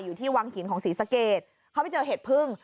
อยู่ที่วังหินของศรีสะเกดเขาไปเจอเห็ดพึ่ง